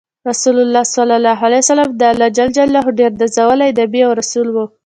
رسول الله ص د الله ډیر نازولی نبی او رسول وو۔